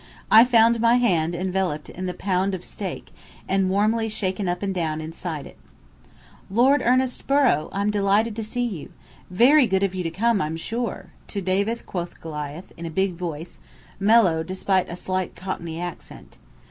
I found my hand enveloped in the pound of steak, and warmly shaken up and down inside it. "Lord Ernest Borrow, I'm delighted to see you. Very good of you to come, I'm sure!" to David quoth Goliath, in a big voice, mellow despite a slight Cockney accent.